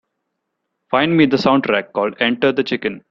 Find me the soundtrack called Enter the Chicken